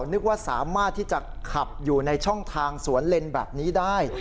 นึกว่าสามารถที่จะขับอยู่ในช่องทางสวนเลนแบบนี้ได้